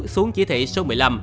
xuống chỉ thị số một mươi năm